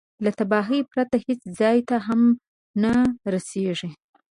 له تباهي پرته هېڅ ځای ته هم نه رسېږي.